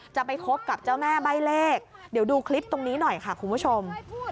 จะไปคบกับเจ้าแม่ใบ้เลขเดี๋ยวดูคลิปตรงนี้หน่อยค่ะคุณผู้ชม